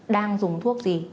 đang dùng thuốc gì